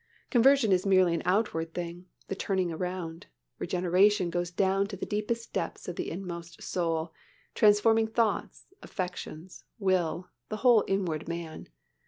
Conversion is merely an outward thing, the turning around. Regeneration goes down to the deepest depths of the inmost soul, transforming thoughts, affections, will, the whole inward man.